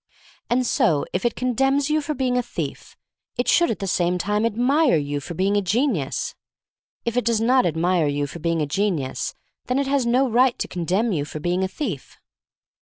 And so if it condemns you for being a thief, it should at the same time admire you for being a genius. If it does not admire you for being a genius, then it has no right to condemn you for being a thief.